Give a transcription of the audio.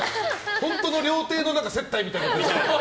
本当の料亭の接待みたいだった。